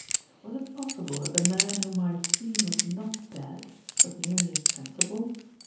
Was it possible that the man whom I had seen was not dead, but merely insensible?